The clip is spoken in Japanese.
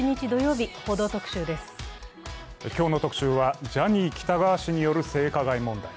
今日の特集は、ジャニー喜多川氏による性加害問題。